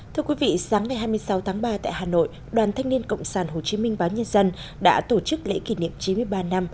thưa quý vị sáng ngày hai mươi sáu tháng ba tại hà nội đoàn thanh niên cộng sản hồ chí minh báo nhân dân đã tổ chức lễ kỷ niệm chín mươi ba năm